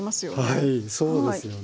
はいそうですよね。